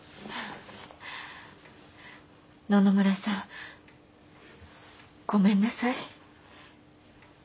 野々村さんごめんなさい。